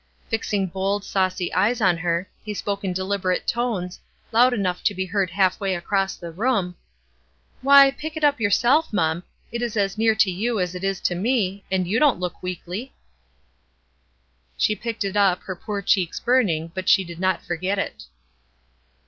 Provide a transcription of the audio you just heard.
Fixing bold, saucy eyes on her, he spoke in deliberate tones, loud enough to be heard half way across the room: "Why, pick it up yourself, mum! It is as near to you as it is to me, and you don't look weakly." She picked it up, her poor cheeks burning, but she did not forget it.